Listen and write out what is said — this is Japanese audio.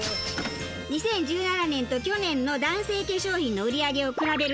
２０１７年と去年の男性化粧品の売り上げを比べると。